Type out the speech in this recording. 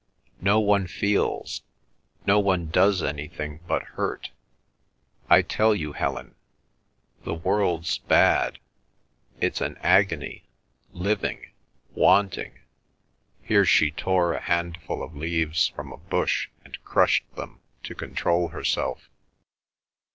"No one feels—no one does anything but hurt. I tell you, Helen, the world's bad. It's an agony, living, wanting—" Here she tore a handful of leaves from a bush and crushed them to control herself.